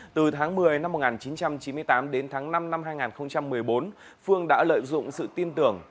từ tháng một mươi năm một nghìn chín trăm chín mươi tám đến tháng năm năm hai nghìn một mươi bốn phương đã lợi dụng sự tin tưởng